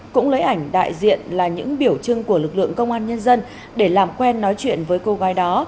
cũng lấy ảnh đại diện là những biểu trưng của lực lượng công an nhân dân để làm quen nói chuyện với cô gái đó